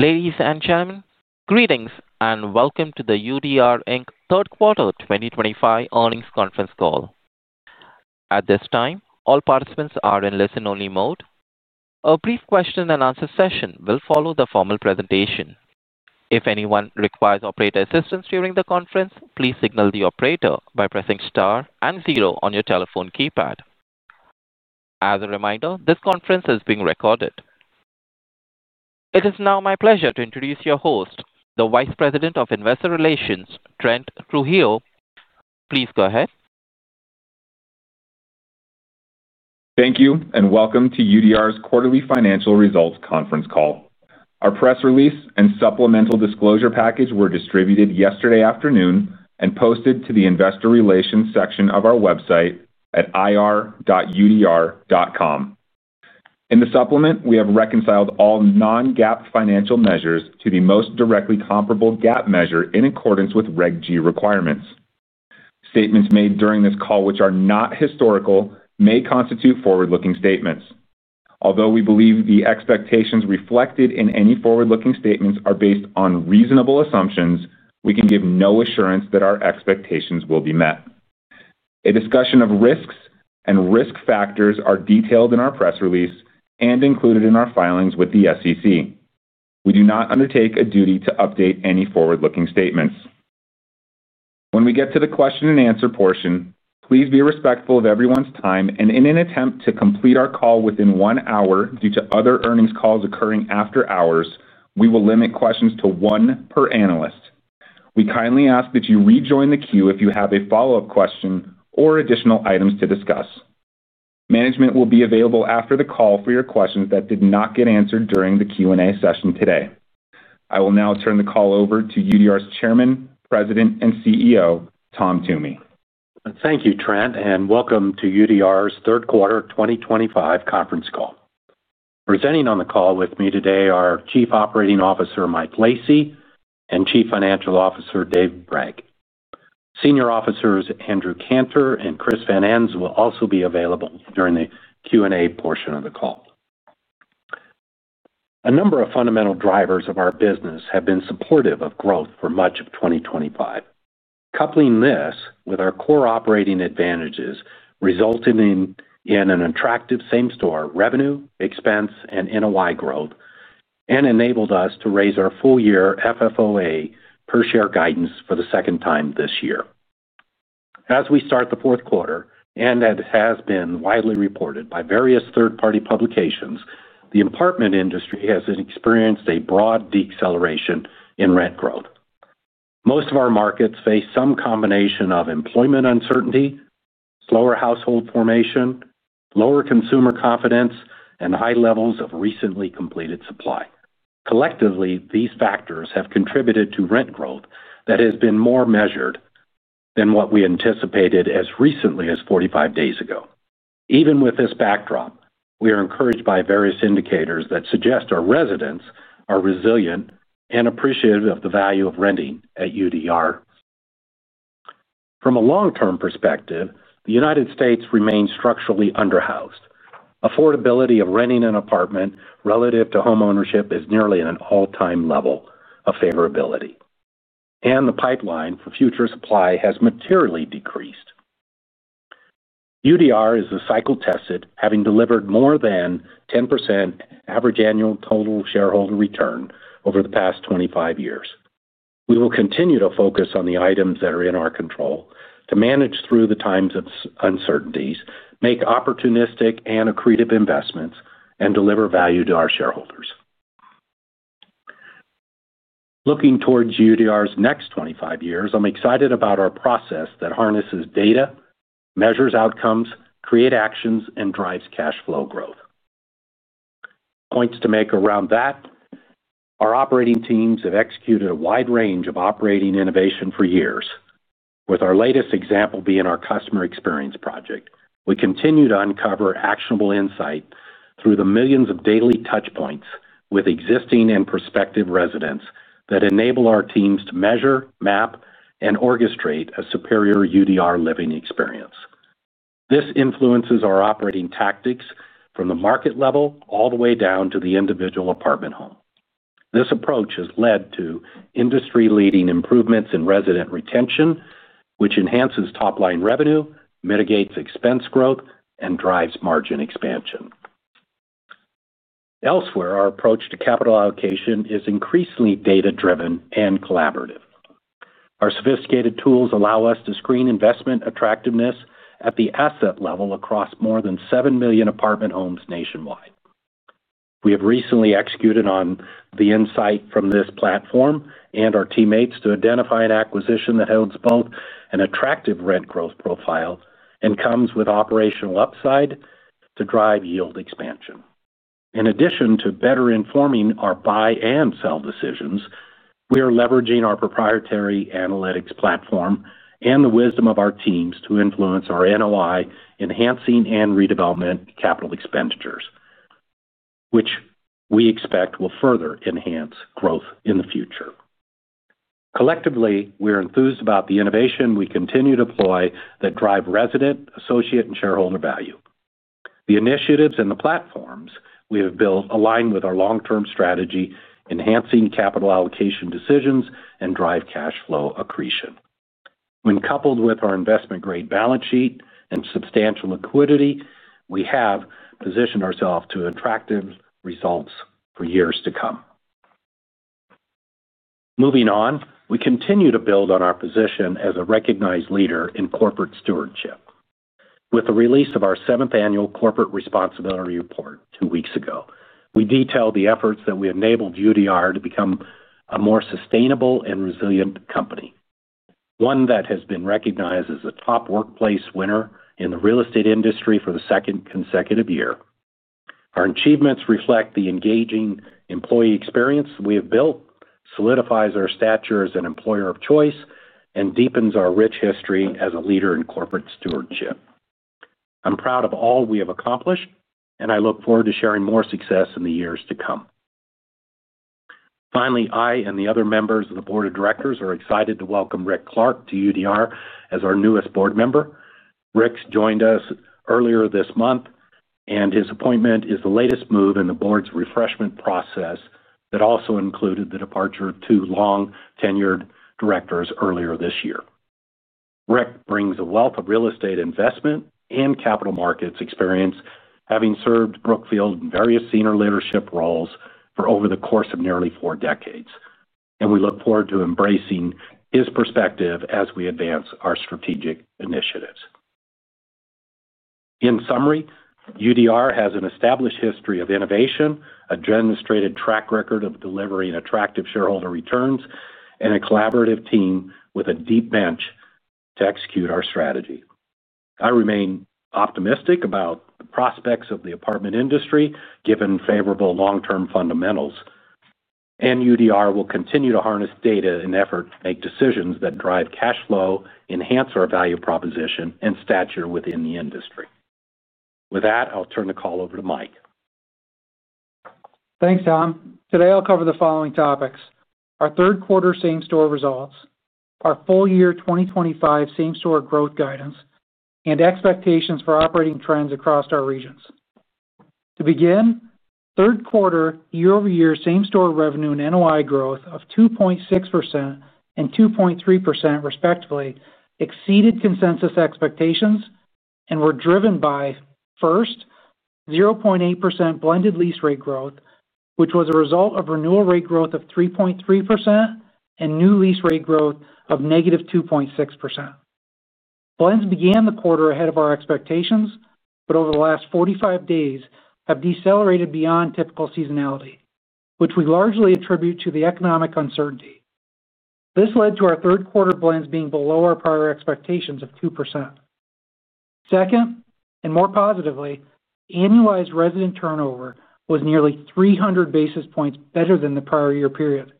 Ladies and gentlemen, greetings and welcome to the UDR, Inc third quarter 2025 earnings conference call. At this time, all participants are in listen-only mode. A brief question and answer session will follow the formal presentation. If anyone requires operator assistance during the conference, please signal the operator by pressing star and zero on your telephone keypad. As a reminder, this conference is being recorded. It is now my pleasure to introduce your host, the Vice President of Investor Relations, Trent Trujillo. Please go ahead. Thank you and welcome to UDR's quarterly financial results conference call. Our press release and supplemental disclosure package were distributed yesterday afternoon and posted to the investor relations section of our website at ir.udr.com. In the supplement, we have reconciled all non-GAAP financial measures to the most directly comparable GAAP measure in accordance with Reg G requirements. Statements made during this call which are not historical may constitute forward-looking statements. Although we believe the expectations reflected in any forward-looking statements are based on reasonable assumptions, we can give no assurance that our expectations will be met. A discussion of risks and risk factors are detailed in our press release and included in our filings with the SEC. We do not undertake a duty to update any forward-looking statements. When we get to the question and answer portion, please be respectful of everyone's time. In an attempt to complete our call within one hour due to other earnings calls occurring after hours, we will limit questions to one per analyst. We kindly ask that you rejoin the queue if you have a follow-up question or additional items to discuss. Management will be available after the call for your questions that did not get answered during the Q&A session today. I will now turn the call over to UDR's Chairman, President, and CEO Tom Toomey. Thank you, Trent, and welcome to UDR's third quarter 2025 conference call. Presenting on the call with me today are Chief Operating Officer Mike Lacy and Chief Financial Officer Dave Bragg. Senior Officers Andrew Cantor and Chris Van Ens will also be available during the Q&A portion of the call. A number of fundamental drivers of our business have been supportive of growth for much of 2025. Coupling this with our core operating advantages has resulted in attractive same-store revenue, expense, and NOI growth and enabled us to raise our full-year FFOA per share guidance for the second time this year. As we start the fourth quarter, and as has been widely reported by various third-party publications, the apartment industry has experienced a broad deceleration in rent growth. Most of our markets face some combination of employment uncertainty, slower household formation, lower consumer confidence, and high levels of recently completed supply. Collectively, these factors have contributed to rent growth that has been more measured than what we anticipated as recently as 45 days ago. Even with this backdrop, we are encouraged by various indicators that suggest our residents are resilient and appreciative of the value of renting at UDR. From a long-term perspective, the United States remains structurally under-housed. Affordability of renting an apartment relative to homeownership is nearly at an all-time level of favorability, and the pipeline for future supply has materially decreased. UDR is cycle tested. Having delivered more than 10% average annual total shareholder return over the past 25 years, we will continue to focus on the items that are in our control to manage through times of uncertainties, make opportunistic and accretive investments, and deliver value to our shareholders. Looking towards UDR's next 25 years, I'm excited about our process that harnesses data, measures outcomes, creates actions, and drives cash flow growth. Points to make around that, our operating teams have executed a wide range of operating innovation for years, with our latest example being our Customer Experience Project. We continue to uncover actionable insight through the millions of daily touch points with existing and prospective residents that enable our teams to measure, map, and orchestrate a superior UDR living experience. This influences our operating tactics from the market level all the way down to the individual apartment home. This approach has led to industry-leading improvements in resident retention, which enhances top-line revenue, mitigates expense growth, and drives margin expansion elsewhere. Our approach to capital allocation is increasingly data-driven and collaborative. Our sophisticated tools allow us to screen investment attractiveness at the asset level across more than 7 million apartment homes nationwide. We have recently executed on the insight from this platform and our teammates to identify an acquisition that holds both an attractive rent growth profile and comes with operational upside to drive yield expansion. In addition to better informing our buy and sell decisions, we are leveraging our proprietary analytics platform and the wisdom of our teams to influence our NOI-enhancing and redevelopment capital expenditures, which we expect will further enhance growth in the future. Collectively, we are enthused about the innovation we continue to deploy that drives resident, associate, and shareholder value. The initiatives and the platforms we have built align with our long-term strategy in enhancing capital allocation decisions and drive cash flow accretion. When coupled with our investment-grade balance sheet and substantial liquidity, we have positioned ourselves to attractive results for years to come. Moving on, we continue to build on our position as a recognized leader in corporate stewardship. With the release of our seventh annual Corporate Responsibility Report two weeks ago, we detailed the efforts that have enabled UDR to become a more sustainable and resilient company, one that has been recognized as a top workplace winner in the real estate industry for the second consecutive year. Our achievements reflect the engaging employee experience we have built, solidify our stature as an employer of choice, and deepen our rich history as a leader in corporate stewardship. I'm proud of all we have accomplished and I look forward to sharing more success in the years to come. Finally, I and the other members of the Board of Directors are excited to welcome Ric Clark to UDR as our newest board member. Ric joined us earlier this month, and his appointment is the latest move in the Board's refreshment process that also included the departure of two long-tenured directors earlier this year. Ric brings a wealth of real estate, investment, and capital markets experience, having served Brookfield in various senior leadership roles over the course of nearly four decades, and we look forward to embracing his perspective as we advance our strategic initiatives. In summary, UDR has an established history of innovation, a demonstrated track record of delivering attractive shareholder returns, and a collaborative team with a deep bench to execute our strategy. I remain optimistic about the prospects of the apartment industry given favorable long-term fundamentals, and UDR will continue to harness data in effort to make decisions that drive cash flow, enhance our value proposition, and stature within the industry. With that, I'll turn the call over to Mike. Thanks Tom. Today I'll cover the following: our third quarter same-store results, our full year 2025 same-store growth guidance, and expectations for operating trends across our regions. To begin, third quarter year-over-year same-store revenue and NOI growth of 2.6% and 2.3%, respectively, exceeded consensus expectations and were driven by, first, 0.8% blended lease rate growth, which was a result of renewal rate growth of 3.3% and new lease rate growth of -2.6%. Blends began the quarter ahead of our expectations, but over the last 45 days have decelerated beyond typical seasonality, which we largely attribute to the economic uncertainty. This led to our third quarter blends being below our prior expectations of 2%. Second, and more positively, annualized resident turnover was nearly 300 basis points better than the prior year period.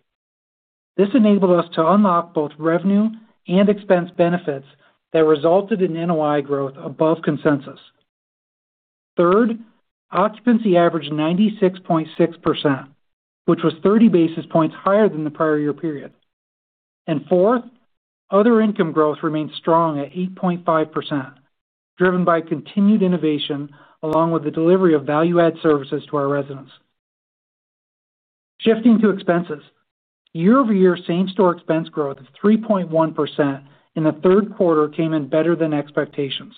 This enabled us to unlock both revenue and expense benefits that resulted in NOI growth above consensus. Third, occupancy averaged 96.6%, which was 30 basis points higher than the prior year period. Fourth, other income growth remained strong at 8.5%, driven by continued innovation along with the delivery of value-add services to our residents. Shifting to expenses, year-over-year same-store expense growth of 3.1% in the third quarter came in better than expectations.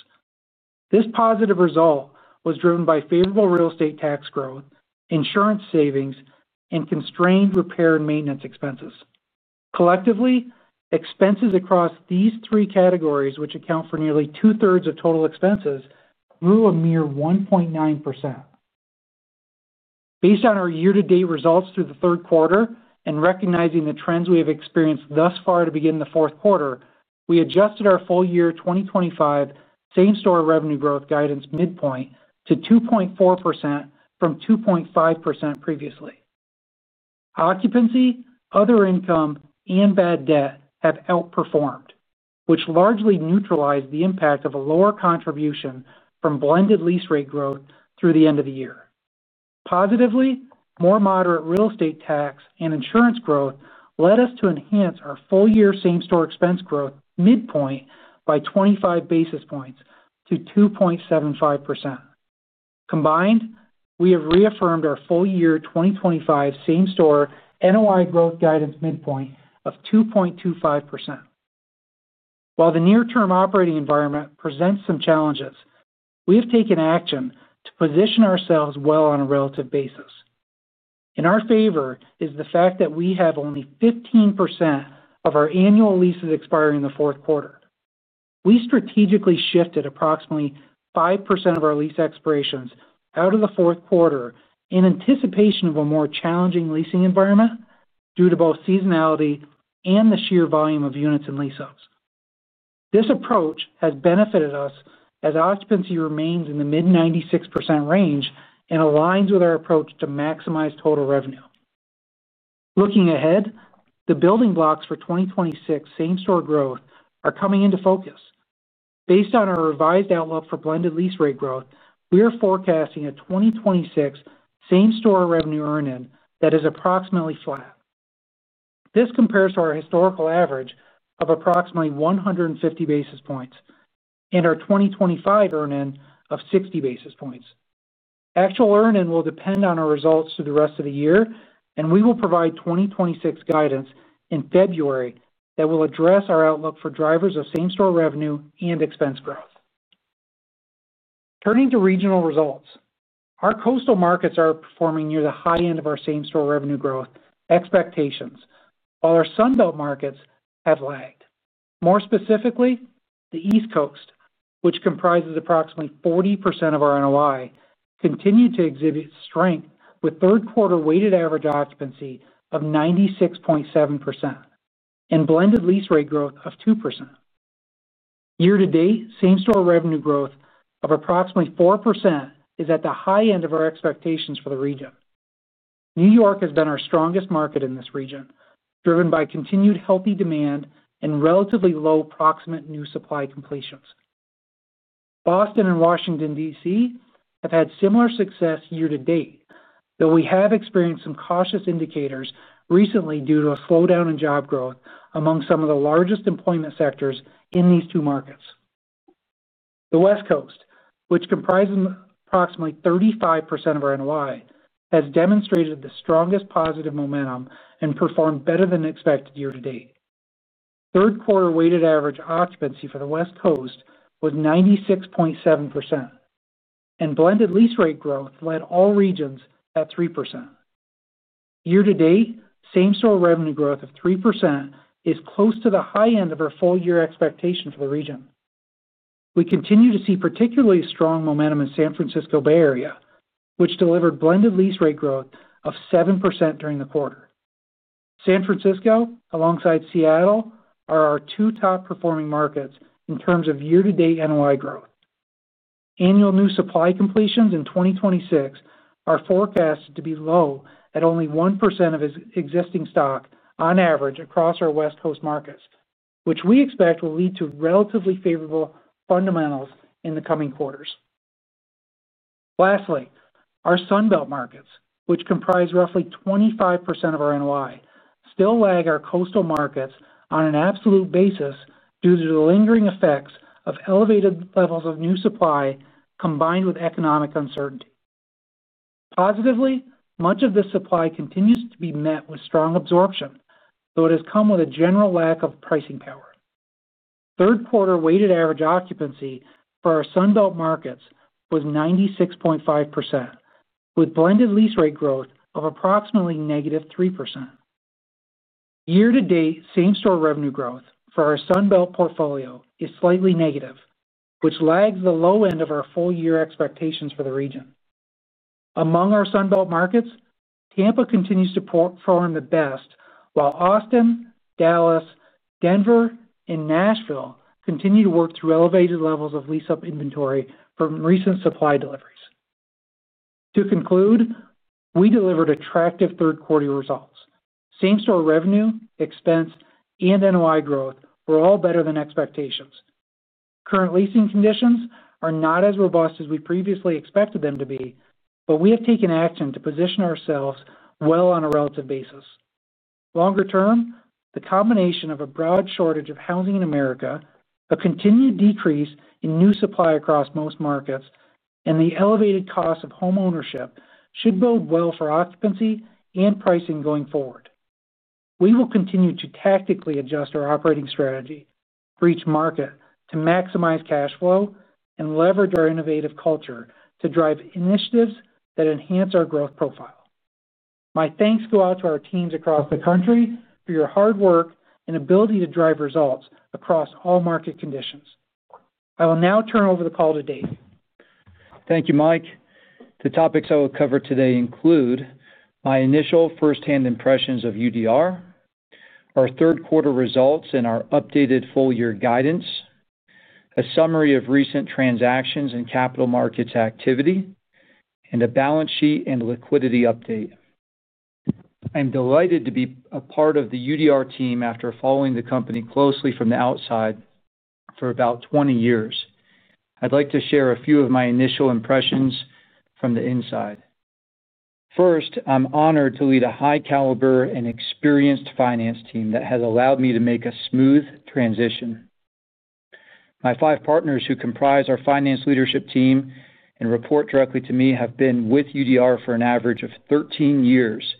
This positive result was driven by favorable real estate tax growth, insurance savings, and constrained repair and maintenance expenses. Collectively, expenses across these three categories, which account for nearly 2/3 of total expenses, grew a mere 1.9%. Based on our year-to-date results through the third quarter and recognizing the trends we have experienced thus far, to begin the fourth quarter, we adjusted our full year 2025 same-store revenue growth guidance midpoint to 2.4% from 2.5% previously. Occupancy, other income, and bad debt have outperformed, which largely neutralized the impact of a lower contribution from blended lease rate growth through the end of the year. Positively, more moderate real estate tax and insurance growth led us to enhance our full year same-store expense growth midpoint by 25 basis points to 2.75%. Combined, we have reaffirmed our full year 2025 same-store NOI growth guidance midpoint of 2.25%. While the near-term operating environment presents some challenges, we have taken action to position ourselves well on a relative basis. In our favor is the fact that we have only 15% of our annual leases expiring in the fourth quarter. We strategically shifted approximately 5% of our lease expirations out of the fourth quarter in anticipation of a more challenging leasing environment due to both seasonality and the sheer volume of units and lease ups. This approach has benefited us as occupancy remains in the mid 96% range and aligns with our approach to maximize total revenue. Looking ahead, the building blocks for 2026 same-store growth are coming into focus. Based on our revised outlook for blended lease rate growth, we are forecasting a 2026 same-store revenue earn-in that is approximately flat. This compares to our historical average of approximately 150 basis points and our 2025 earn-in of 60 basis points. Actual earn-in will depend on our results through the rest of the year and we will provide 2026 guidance in February that will address our outlook for drivers of same-store revenue and expense growth. Turning to regional results, our coastal markets are performing near the high end of our same-store revenue growth expectations while our Sunbelt markets have lagged. More specifically, the East Coast, which comprises approximately 40% of our NOI, continued to exhibit strength with third quarter weighted average occupancy of 96.7% and blended lease rate growth of 2% year to date. Same-store revenue growth of approximately 4% is at the high end of our expectations for the region. New York has been our strongest market in this region driven by continued healthy demand and relatively low proximate new supply completions. Boston and Washington, D.C. have had similar success year to date, though we have experienced some cautious indicators recently due to a slowdown in job growth among some of the largest employment sectors in these two markets. The West Coast, which comprises approximately 35% of our NOI, has demonstrated the strongest positive momentum and performed better than expected year to date. Third quarter weighted average occupancy for the West Coast was 96.7% and blended lease rate growth led all regions at 3% year to date. Same-store revenue growth of 3% is close to the high end of our full year expectation for the region. We continue to see particularly strong momentum in the San Francisco Bay Area, which delivered blended lease rate growth of 7% during the quarter. San Francisco, alongside Seattle, are our two top performing markets in terms of year to date NOI growth. Annual new supply completions in 2026 are forecasted to be low at only 1% of existing stock on average across our West Coast markets, which we expect will lead to relatively favorable fundamentals in the coming quarters. Lastly, our Sunbelt markets, which comprise roughly 25% of our NOI, still lag our coastal markets on an absolute basis due to the lingering effects of elevated levels of new supply combined with economic uncertainty. Positively, much of this supply continues to be met with strong absorption, though it has come with a general lack of pricing power. Third quarter weighted average occupancy for our Sunbelt markets was 96.5% with blended lease rate growth of approximately -3% year to date. Same-store revenue growth for our Sunbelt portfolio is slightly negative, which lags the low end of our full-year expectations for the region. Among our Sunbelt markets, Tampa continues to perform the best while Austin, Dallas, Denver, and Nashville continue to work through elevated levels of lease-up inventory from recent supply deliveries. To conclude, we delivered attractive third quarter results. Same-store revenue, expense, and NOI growth were all better than expectations. Current leasing conditions are not as robust as we previously expected them to be, but we have taken action to position ourselves well on a relative basis. Longer term, the combination of a broad shortage of housing in America, a continued decrease in new supply across most markets, and the elevated cost of homeownership should bode well for occupancy and pricing going forward. We will continue to tactically adjust our operating strategy for each market to maximize cash flow and leverage our innovative culture to drive initiatives that enhance our growth profile. My thanks go out to our teams across the country for your hard work and ability to drive results across all market conditions. I will now turn over the call to Dave. Thank you, Mike. The topics I will cover today include my initial firsthand impressions of UDR, our third quarter results and our updated full year guidance, a summary of recent transactions and capital markets activity, and a balance sheet and liquidity update. I'm delighted to be a part of the UDR team. After following the company closely from the outside for about 20 years, I'd like to share a few of my initial impressions from the inside. First, I'm honored to lead a high caliber and experienced finance team that has allowed me to make a smooth transition. My five partners who comprise our finance leadership team and report directly to me have been with UDR for an average of 13 years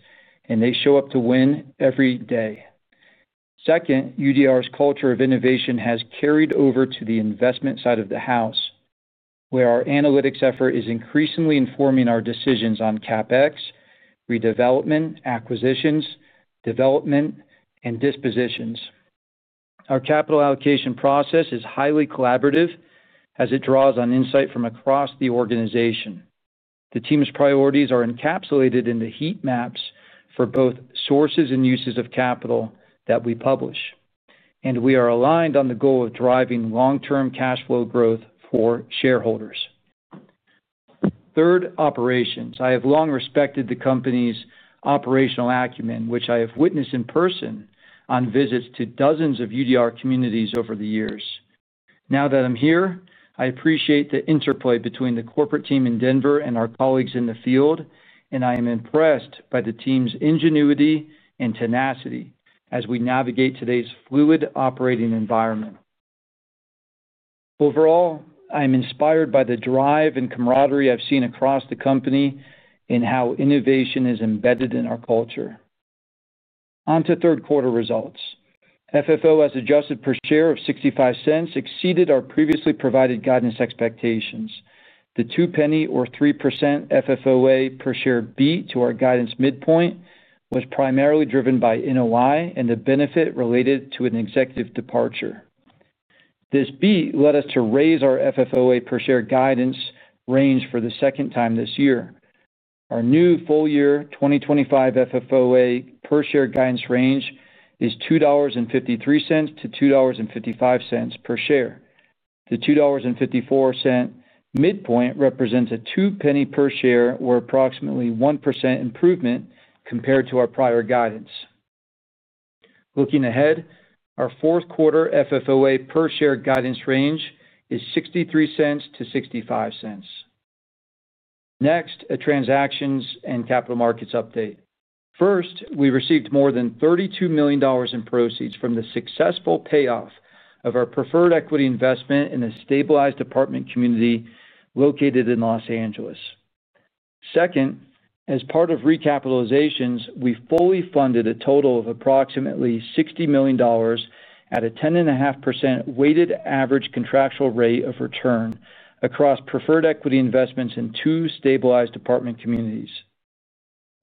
and they show up to win every day. Second, UDR's culture of innovation has carried over to the investment side of the house where our analytics effort is increasingly informing our decisions on CapEx redevelopment, acquisitions, development, and dispositions. Our capital allocation process is highly collaborative as it draws on insight from across the organization. The team's priorities are encapsulated in the heat maps for both sources and uses of capital that we publish, and we are aligned on the goal of driving long term cash flow growth for shareholders. Third, operations. I have long respected the company's operational acumen, which I have witnessed in person on visits to dozens of UDR communities over the years. Now that I'm here, I appreciate the interplay between the corporate team in Denver and our colleagues in the field, and I am impressed by the team's ingenuity and tenacity as we navigate today's fluid operating environment. Overall, I'm inspired by the drive and camaraderie I've seen across the company in how innovation is embedded in our culture. On to third quarter results. FFO as Adjusted per share of $0.65 exceeded our previously provided guidance expectations. The two penny or 3% FFOA per share beat to our guidance midpoint was primarily driven by NOI and the benefit related to an executive departure. This beat led us to raise our FFOA per share guidance range for the second time this year. Our new full year 2025 FFOA per share guidance range is $2.53-$2.55 per share. The $2.54 midpoint represents a two penny per share or approximately 1% improvement compared to our prior guidance. Looking ahead, our fourth quarter FFOA per share guidance range is $0.63-$0.65. Next, a transactions and capital markets update. First, we received more than $32 million in proceeds from the successful payoff of our preferred equity investment in a stabilized apartment community located in Los Angeles. Second, as part of recapitalizations, we fully funded a total of approximately $60 million at a 10.5% weighted average contractual rate of return across preferred equity investments in two stabilized apartment communities.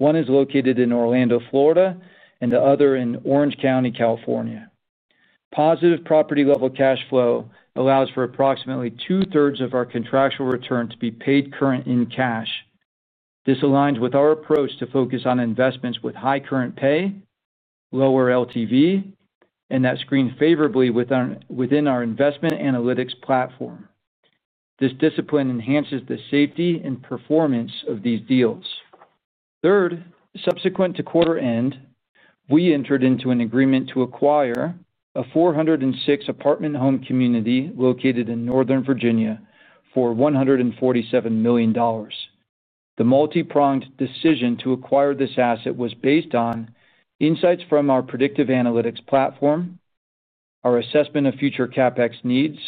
One is located in Orlando, Florida, and the other in Orange County, California. Positive property-level cash flow allows for approximately 2/3 of our contractual return to be paid current in cash. This aligns with our approach to focus on investments with high current pay, lower LTV, and that screen favorably within our investment analytics platform. This discipline enhances the safety and performance of these deals. Third, subsequent to quarter end, we entered into an agreement to acquire a 406-apartment home community located in Northern Virginia for $147 million. The multi-pronged decision to acquire this asset was based on insights from our predictive analytics platform, our assessment of future CapEx needs,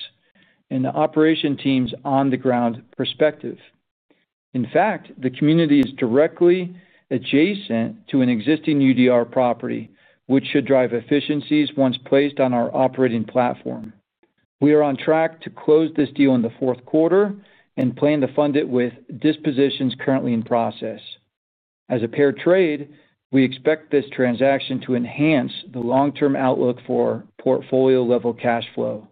and the operations team's on-the-ground perspective. In fact, the community is directly adjacent to an existing UDR property, which should drive efficiencies once placed on our operating platform. We are on track to close this deal in the fourth quarter and plan to fund it with dispositions currently in process. As a pair trade, we expect this transaction to enhance the long-term outlook for portfolio-level cash flow.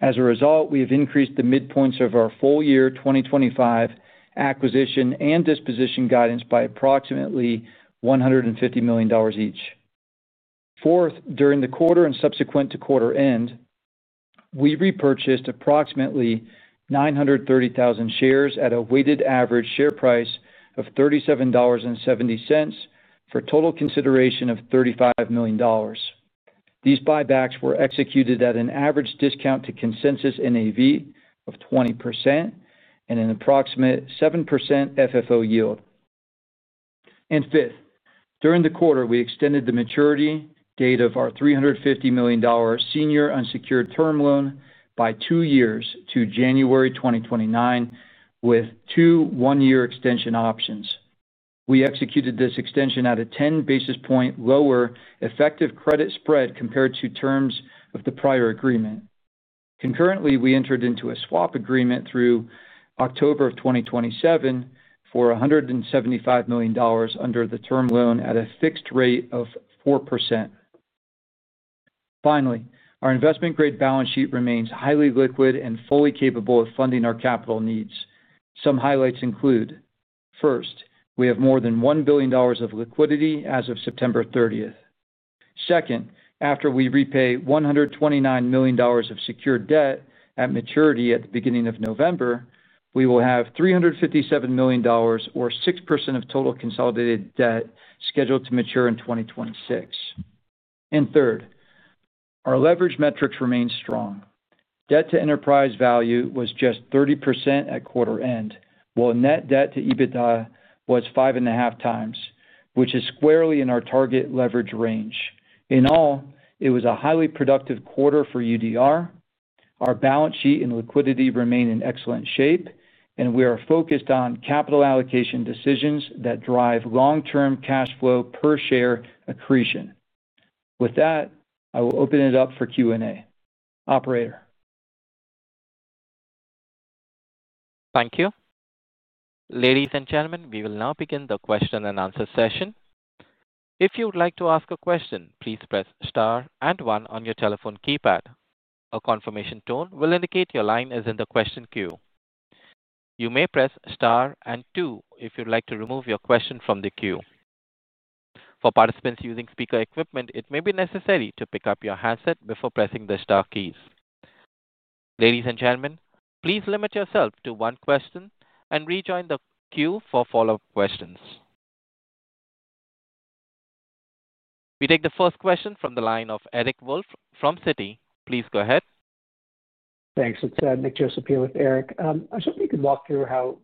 As a result, we have increased the midpoints of our full-year 2025 acquisition and disposition guidance by approximately $150 million each. Fourth, during the quarter and subsequent to quarter end, we repurchased approximately 930,000 shares at a weighted average share price of $37.70 for total consideration of $35 million. These buybacks were executed at an average discount to consensus NAV of 20% and an approximate 7% FFO yield. Fifth, during the quarter, we extended the maturity date of our $350 million senior unsecured term loan by two years to January 2029 with two one-year extension options. We executed this extension at a 10 basis point lower effective credit spread compared to the terms of the prior agreement. Concurrently, we entered into a swap agreement through October of 2027 for $175 million under the term loan at a fixed rate of 4%. Finally, our investment grade balance sheet remains highly liquid and fully capable of funding our capital needs. Some highlights include: first, we have more than $1 billion of liquidity as of September 30th. Second, after we repay $129 million of secured debt at maturity at the beginning of November, we will have $357 million or 6% of total consolidated debt scheduled to mature in 2026. Third, our leverage metrics remain strong. Debt to enterprise value was just 30% at quarter end, while net debt to EBITDA was 5.5x, which is squarely in our target leverage range. In all, it was a highly productive quarter for UDR. Our balance sheet and liquidity remain in excellent shape, and we are focused on capital allocation decisions that drive long term cash flow per share accretion. With that, I will open it up for Q&A, operator. Thank you, ladies and gentlemen. We will now begin the question and answer session. If you would like to ask a question, please press star and one on your telephone keypad. A confirmation tone will indicate your line is in the question queue. You may press star and two if you'd like to remove your question from the queue. For participants using speaker equipment, it may be necessary to pick up your handset before pressing the star keys. Ladies and gentlemen, please limit yourself to one question and rejoin the queue for follow-up questions. We take the first question from the line of Eric Wolfe from Citi. Please go ahead. Thanks. It's Nick Joseph here with Eric. I was hoping you could walk through how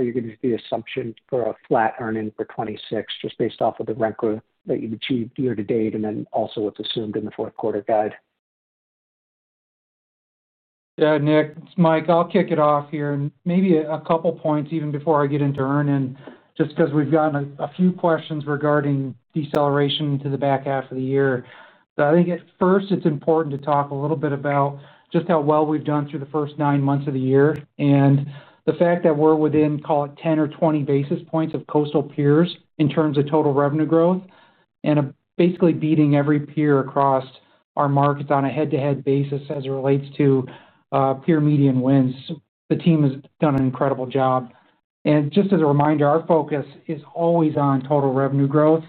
you can use the assumption for a flat earn-in for 2026 just based off of the rent growth that you've achieved year to date and then also what's assumed in the fourth quarter guide. Yeah, Nick, it's Mike. I'll kick it off here and maybe a couple points even before I get into earn-in. Just because we've gotten a few questions regarding deceleration to the back half of the year, I think at first it's important to talk a little bit about just how well we've done through the first nine months of the year and the fact that we're within, call it, 10 or 20 basis points of coastal peers in terms of total revenue growth and basically beating every peer across our markets on a head-to-head basis as it relates to peer median wins. The team has done an incredible job and just as a reminder, our focus is always on total revenue growth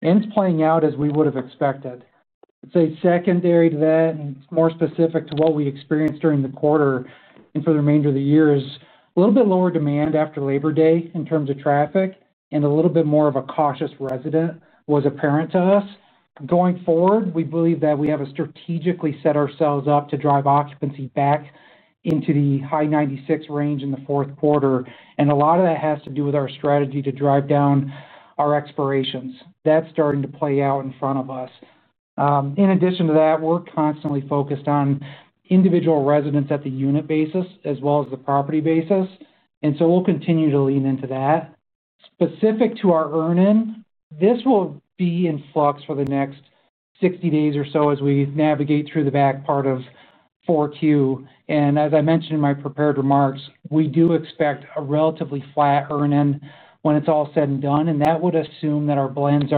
and it's playing out as we would have expected. Secondary to that and more specific to what we experienced during the quarter and for the remainder of the year is a little bit lower demand after Labor Day in terms of traffic and a little bit more of a cautious resident was apparent to us. Going forward, we believe that we have strategically set ourselves up to drive occupancy back into the high 96% range in the fourth quarter. A lot of that has to do with our strategy to drive down our expirations. That's starting to play out in front of us. In addition to that, we're constantly focused on individual residents at the unit basis as well as the property basis. We'll continue to lean into that. Specific to our earn-in, this will be in flux for the next 60 days or so as we navigate through the back part of 4Q and as I mentioned in my prepared remarks, we do expect a relatively flat earn-in when it's all said and done. That would assume that our blends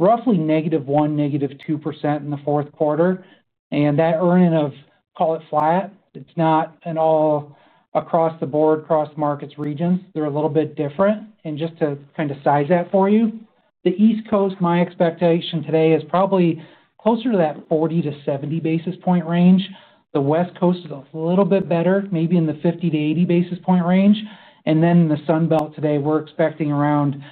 are roughly -1%, -2% in the fourth quarter and that earn-in of, call it, flat, it's not all across the board. Across markets, regions, they're a little bit different and just to kind of size that for you, the East Coast, my expectation today is probably closer to that 40 basis points-70 basis point range. The West Coast is a little bit better, maybe in the 50 basis points-80 basis point range. The Sunbelt today we're expecting around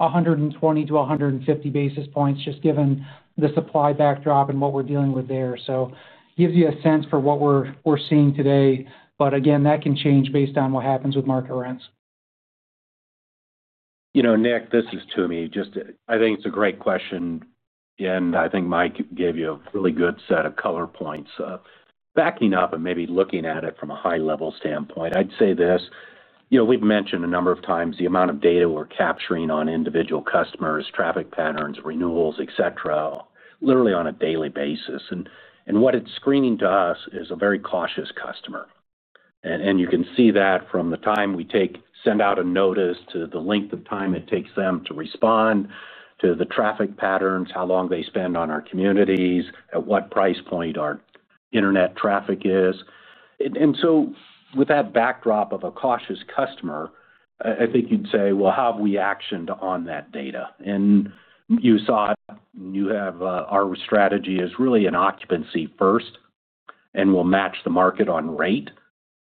-120 basis points-150 basis points just given the supply backdrop and what we're dealing with there. That gives you a sense for what we're seeing today. Again, that can change based on what happens with market rents. You know, Nick, this is Toomey. I think it's a great question, and I think Mike gave you a really good set of color points. Backing up and maybe looking at it from a high-level standpoint, I'd say this. You know, we've mentioned a number of times the amount of data we're capturing on individual customers, traffic patterns, renewals, et cetera, literally on a daily basis. What it's screening to us is a very cautious customer. You can see that from the time we send out a notice to the length of time it takes them to respond, to the traffic patterns, how long they spend on our communities, at what price point our internet traffic is. With that backdrop of a cautious customer, I think you'd say, how have we actioned on that data? You saw it. Our strategy is really an occupancy first, and we'll match the market on rate.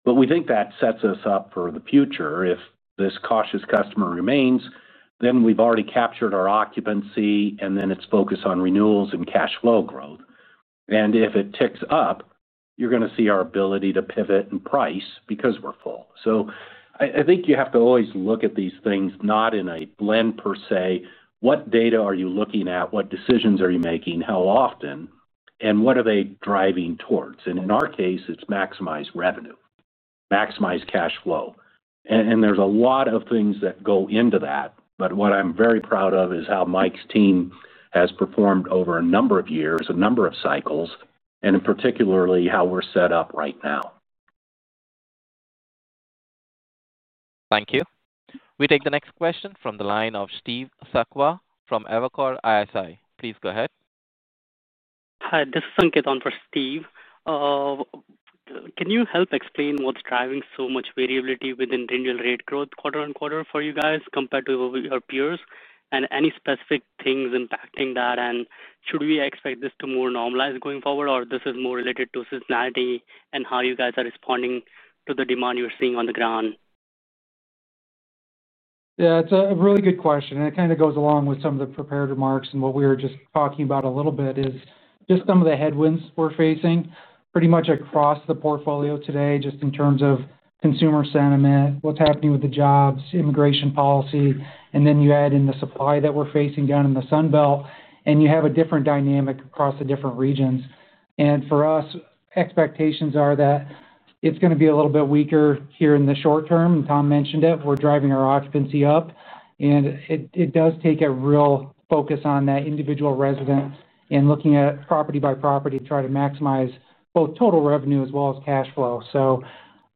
We think that sets us up for the future. If this cautious customer remains, then we've already captured our occupancy, and then it's focused on renewals and cash flow growth. If it ticks up, you're going to see our ability to pivot and price because we're full. I think you have to always look at these things not in a blend per se. What data are you looking at? What decisions are you making, how often, and what are they driving towards? In our case, it's maximize revenue, maximize cash flow, and there's a lot of things that go into that. What I'm very proud of is how Mike's team has performed over a number of years, a number of cycles, and in particular how we're set up right now. Thank you. We take the next question from the line of Steve Sakwa from Evercore ISI, please go ahead. Hi, this is Sanket on for Steve. Can you help explain what's driving so much variability within range of rate growth quarter on quarter for you guys compared to your peers, and any specific things impacting that? Should we expect this to more. Normalize going forward, or this is more. Related to seasonality and how you guys are responding to the demand you're seeing on the ground? Yeah, it's a really good question and it kind of goes along with some of the prepared remarks. What we were just talking about a little bit is just some of the headwinds we're facing pretty much across the portfolio today, just in terms of consumer sentiment, what's happening with the jobs, immigration policy. You add in the supply that we're facing down in the Sunbelt and you have a different dynamic across the different regions. For us, expectations are that it's going to be a little bit weaker here in the short term. Tom mentioned it. We're driving our occupancy up and it does take a real focus on that individual resident and looking at property by property to try to maximize both total revenue as well as cash flow.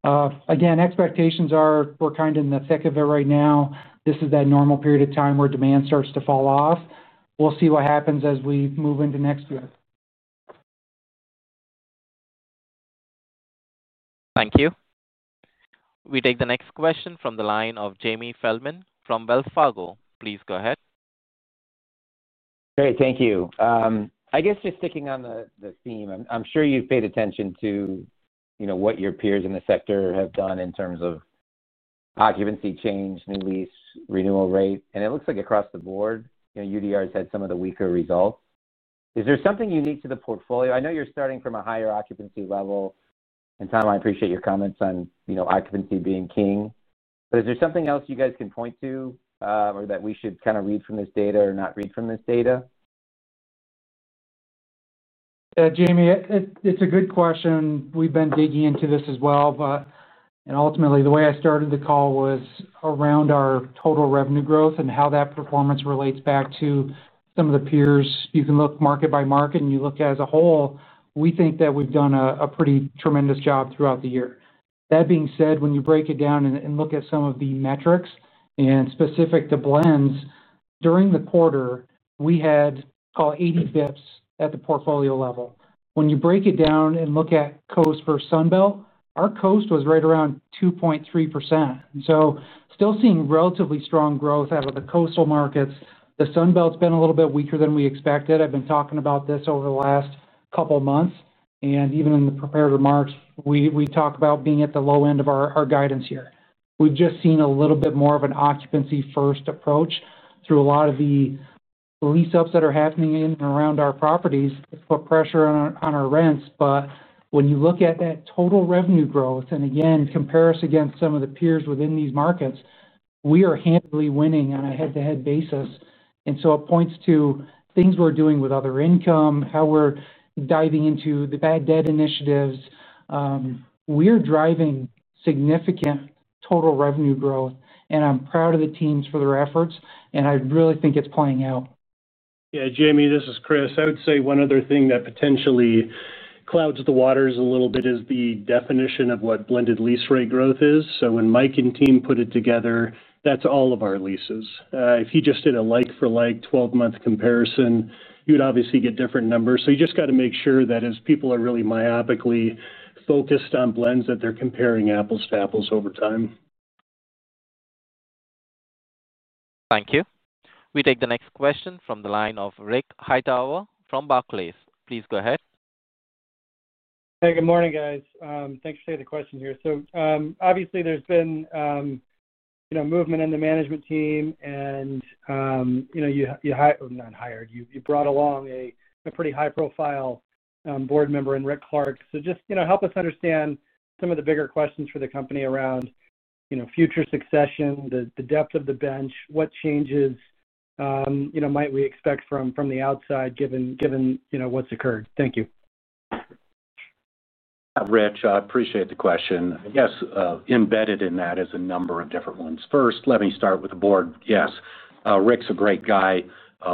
Again, expectations are we're kind of in the thick of it right now. This is that normal period of time where demand starts to fall off. We'll see what happens as we move into next year. Thank you. We take the next question from the line of Jamie Feldman from Wells Fargo. Please go ahead. Great, thank you. I guess just sticking on the theme, I'm sure you've paid attention to what your peers in the sector have done in terms of occupancy change, new lease renewal rate, and it looks like across the board, UDR has had some of the weaker results. Is there something unique to the portfolio? I know you're starting from a higher occupancy level and Tom, I appreciate your comments on occupancy being king, but is there something else you guys can point to or that we should kind of read from this data or not read from this data? Jamie, it's a good question. We've been digging into this as well. Ultimately, the way I started the call was around our total revenue growth and how that performance relates back to some of the peers. You can look market by market and you look as a whole, we think that we've done a pretty tremendous job throughout the year. That being said, when you break it down and look at some of the metrics and specific the blends during the quarter, we had, call it, 80 bps at the portfolio level. When you break it down and look at coast versus Sunbelt, our coast was right around 2.3%. Still seeing relatively strong growth out of the coastal markets. The Sunbelt's been a little bit weaker than we expected. I've been talking about this over the last couple months and even in the prepared remarks we talk about being at the low end of our guidance here. We've just seen a little bit more of an occupancy first approach through a lot of the lease-ups that are happening in and around our properties put pressure on our rents. When you look at that total revenue growth and again compare us against some of the peers within these markets, we are handily winning on a head-to-head basis. It points to things we're doing with other income, how we're diving into the bad debt initiatives, we're driving significant total revenue growth. I'm proud of the teams for their efforts and I really think it's playing out. Yeah, Jamie, this is Chris. I would say one other thing that potentially clouds the waters a little bit is the definition of what blended lease rate growth is. When Mike and team put it together, that's all of our leases. If you just did a like-for-like 12-month comparison, you'd obviously get different numbers. You just got to make sure that as people are really myopically focused on blends that they're comparing apples to apples over time. Thank you. We take the next question from the line of Rich Hightower from Barclays. Please go ahead. Hey, good morning guys. Thanks for taking the question here. Obviously, there's been, you know, movement. In the management team, you know. You brought along a pretty high profile board member Ric Clark. Just help us understand some of the bigger questions for the company around future succession, the depth of the bench, what changes might we expect from the outside given what's occurred. Thank you. Rich. I appreciate the question. I guess embedded in that is a number of different ones. First, let me start with the board. Yes, Ric's a great guy,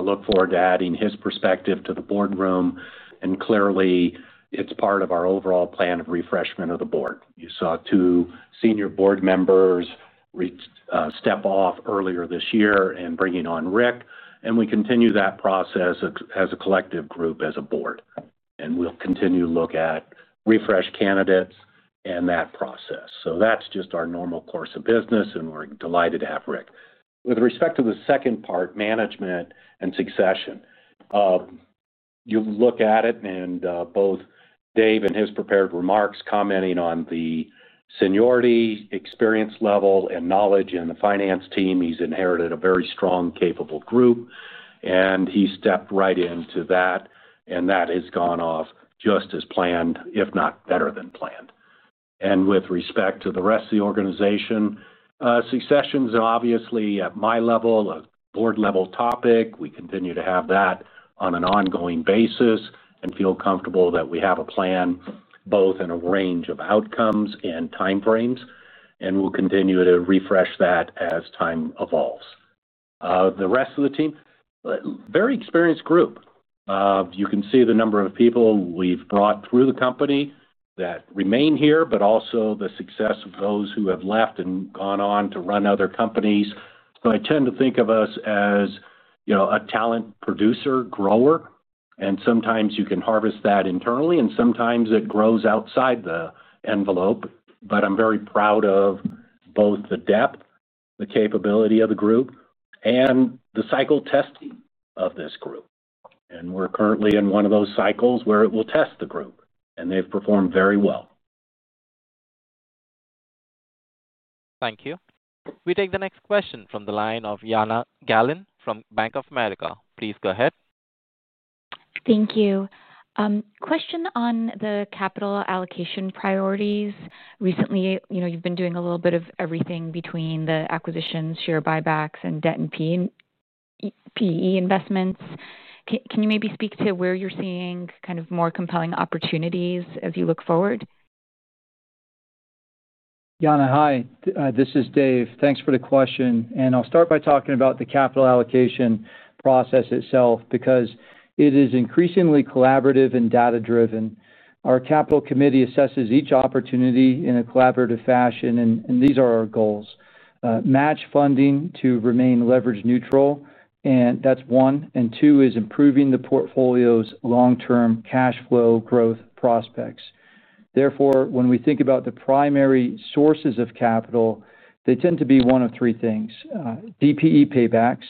look forward to adding his perspective to the boardroom and clearly it's part of our overall plan of refreshment of the board. You saw two senior board members step off earlier this year and bringing on Ric. We continue that process as a collective group, as a board, and we'll continue to look at refresh candidates and that process. That's just our normal course of business and we're delighted to have Ric. With respect to the second part, management and succession, you look at it and both Dave in his prepared remarks commenting on the seniority, experience level and knowledge in the finance team, he's inherited a very strong, capable group and he stepped right into that. That has gone off just as planned, if not better than planned. With respect to the rest of the organization, succession's obviously at my level, a board level topic. We continue to have that on an ongoing basis and feel comfortable that we have a plan both in a range of outcomes and timeframes. We'll continue to refresh that as time evolves. The rest of the team, very experienced group. You can see the number of people we've brought through the company that remain here, but also the success of those who have left and gone on to run other companies. I tend to think of us as a talent producer, grower and sometimes you can harvest that internally and sometimes it grows outside the envelope. I'm very proud of both the depth, the capability of the group and the cycle testing of this group. We're currently in one of those cycles where it will test the group and they've performed very well. Thank you. We take the next question from the line of Jana Galan from Bank of America. Please go ahead. Thank you. Question on the capital allocation priorities. Recently you've been doing a little bit of everything between the acquisition, share buybacks, and debt and preferred equity investments. Can you maybe speak to where you're seeing kind of more compelling opportunities as you look forward? Jana, hi, this is Dave. Thanks for the question. I'll start by talking about the capital allocation process itself because it is increasingly collaborative and data driven. Our capital committee assesses each opportunity in a collaborative fashion, and these are our goals. Goals match funding to remain leverage neutral, and that's one, and two is improving the portfolio's long-term cash flow growth prospects. Therefore, when we think about the primary sources of capital, they tend to be one of three things: DPE paybacks,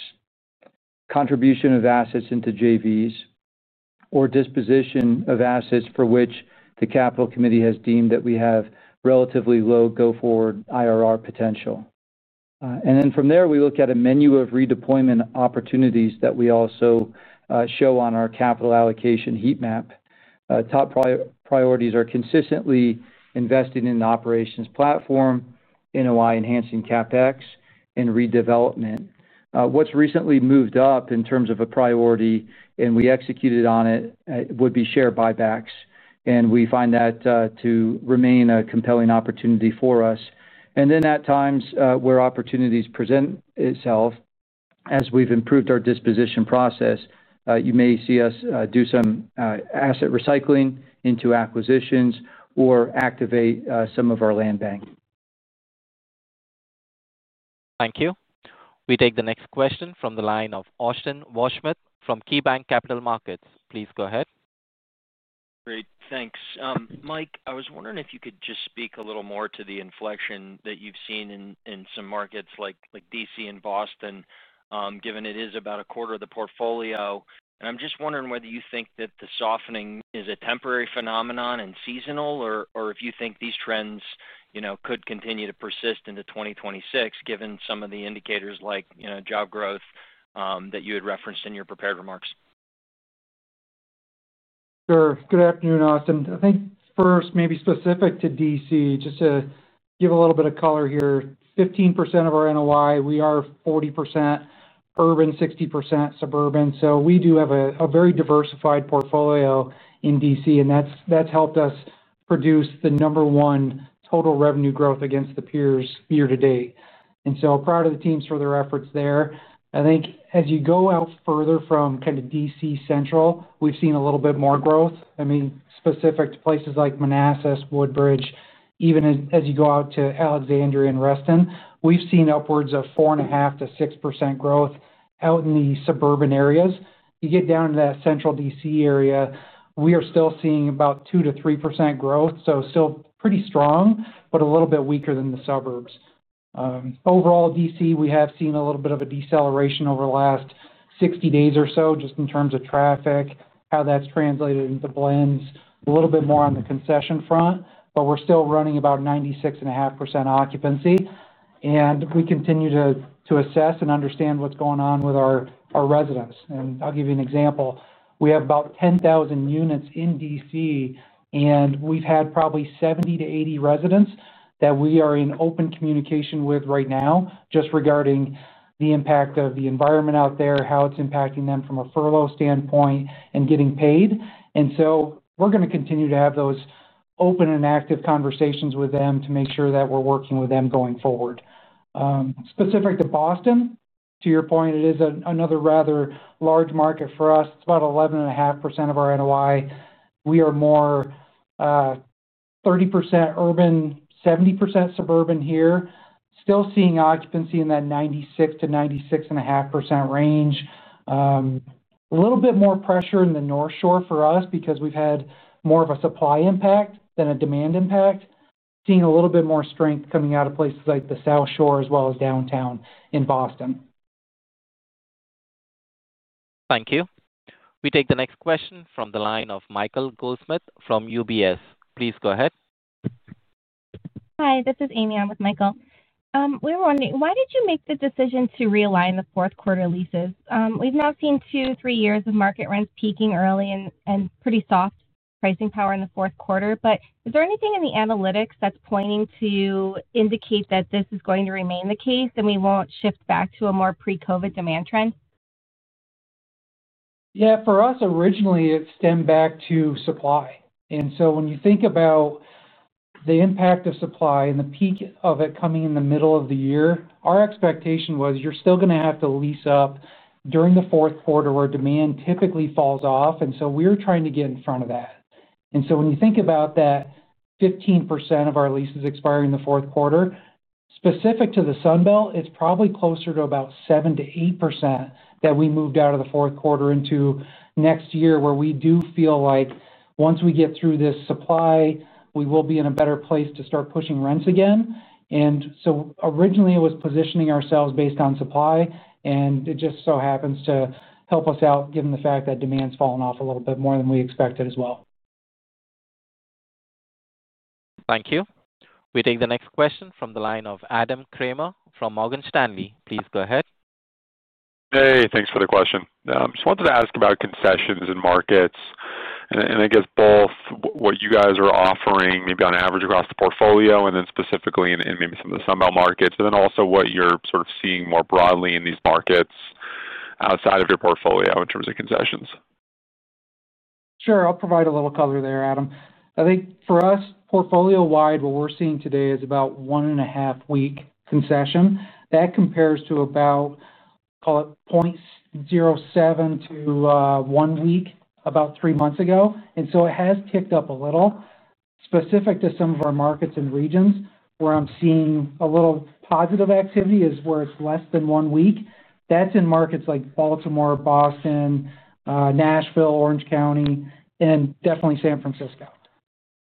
contribution of assets into JVs, or disposition of assets for which the capital committee has deemed that we have relatively low go-forward IRR potential. From there, we look at a menu of redeployment opportunities that we also show on our capital allocation heat map. Top priorities are consistently investing in the operations platform NOI, enhancing CapEx, and redevelopment. What's recently moved up in terms of a priority, and we executed on it, would be share buybacks. We find that to remain a compelling opportunity for us. At times where opportunities present itself as we've improved our disposition process, you may see us do some asset recycling into acquisitions or activate some of our land bank. Thank you. We take the next question from the line of Austin Wurschmidt from KeyBanc Capital Markets. Please go ahead. Great. Thanks, Mike. I was wondering if you could just speak a little more to the inflection that you've seen in some markets like D.C. and Boston, given it is about a quarter of the portfolio. I'm just wondering whether you think that the softening is a temporary phenomenon and seasonal, or do you think these trends could continue to persist into 2026 given some of the indicators like job growth that you had referenced in your prepared remarks? Sure. Good afternoon, Austin. I think first maybe specific to D.C., just to give a little bit of color here, 15% of our NOI, we are 40% urban, 60% suburban. We do have a very diversified portfolio in D.C., and that's helped us produce the number one total revenue growth against the peers year to date. I am proud of the teams for their efforts there. I think as you go out further from kind of D.C. central, we've seen a little bit more growth. Specific to places like Manassas, Woodbridge, even as you go out to Alexandria and Reston, we've seen upwards of 4.5%-6% growth out in the suburban areas. You get down to that central D.C. area, we are still seeing about 2%-3% growth. Still pretty strong, but a little bit weaker than the suburbs. Overall, in D.C., we have seen a little bit of a deceleration over the last 60 days or so just in terms of traffic. How that's translated into blends is a little bit more on the concession front. We're still running about 96.5% occupancy and we continue to assess and understand what's going on with our residents. I'll give you an example. We have about 10,000 units in D.C., and we've had probably 70 residents-80 residents that we are in open communication with right now just regarding the impact of the environment out there, how it's impacting them from a furlough standpoint and getting paid. We are going to continue to have those open and active conversations with them to make sure that we're working with them going forward. Specific to Boston, to your point, it is another rather large market for us. It's about 11.5% of our NOI. We are more 30% urban, 70% suburban here. Still seeing occupancy in that 96% to 96.5% range. A little bit more pressure in the North Shore for us because we've had more of a supply impact than a demand impact. Seeing a little bit more strength coming out of places like the South Shore as well as downtown in Boston. Thank you. We take the next question from the line of Michael Goldsmith from UBS. Please go ahead. Hi, this is Amy. I'm with Michael. We were wondering why did you make the decision to realign the fourth quarter leases? We've now seen two, three years of market rents peaking early and pretty soft pricing power in the fourth quarter. Is there anything in the analytics that's pointing to indicate that this is going to remain the case and we won't shift back to a more pre-COVID demand trend? For us, originally it stemmed back to supply. When you think about the impact of supply and the peak of it coming in the middle of the year, our expectation was you're still going to have to lease up during the fourth quarter where demand typically falls off. We're trying to get in front of that. When you think about that 15% of our leases expiring the fourth quarter, specific to the Sunbelt, it's probably closer to about 7%-8% that we moved out of the fourth quarter into next year, where we do feel like once we get through this supply, we will be in a better place to start pushing rents again. Originally it was positioning ourselves based on supply. It just so happens to help us out, given the fact that demand's falling off a little bit more than we expected as well. Thank you. We take the next question from the line of Adam Kramer from Morgan Stanley. Please go ahead. Hey, thanks for the question. Just wanted to ask about concessions and markets. I guess both what you guys are offering maybe on average across the portfolio and then specifically in maybe some of the Sunbelt markets. Also, what you're sort of seeing more broadly in these markets outside of your portfolio in terms of concessions. Sure, I'll provide a little color there, Adam. I think for us portfolio wide, what we're seeing today is about one and a half week concession. That compares to about, call it 0.07 to one week about three months ago. It has ticked up a little. Specific to some of our markets and regions where I'm seeing a little positive activity is where it's less than one week. That's in markets like Baltimore, Boston, Nashville, Orange County, and definitely San Francisco.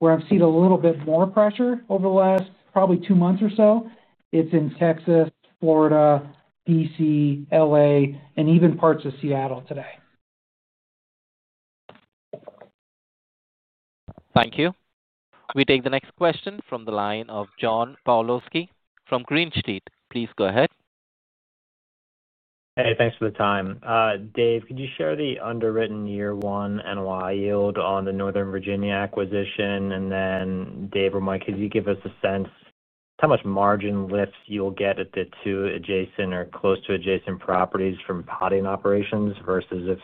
Where I've seen a little bit more pressure over the last probably two months or so is in Texas, Florida, D.C., L.A., and even parts of Seattle today. Thank you. We take the next question from the line of John Pawlowski from Green Street. Please go ahead. Hey, thanks for the time. Dave, could you share the underwritten year one NOI yield on the Northern Virginia acquisition? Dave or Mike, could you give us a sense how much margin lifts you'll get at the two adjacent or close to adjacent properties from plotting operations versus if